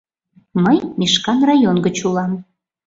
— Мый Мишкан район гыч улам.